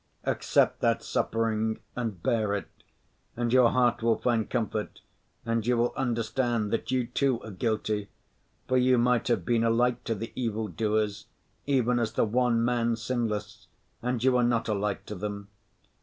Accept that suffering and bear it and your heart will find comfort, and you will understand that you too are guilty, for you might have been a light to the evil‐doers, even as the one man sinless, and you were not a light to them.